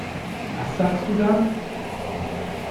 Was sagst du da?